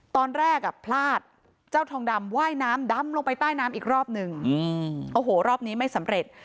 ตอนแรกอ่ะพลาดเจ้าทองดำว่ายน้ำดำลงไปใต้น้ำอีกรอบนึงโอ้โหรอบนี้ไม่สำเร็จ